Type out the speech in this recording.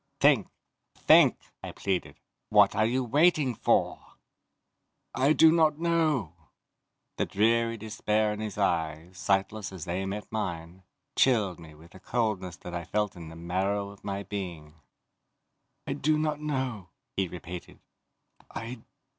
"Think! Think!" I pleaded. "What are you waiting for?" "I do not know!" The dreary despair in his eyes, sightless as they met mine, chilled me with a coldness that I felt in the marrow of my being. "I do not know," he repeated. "I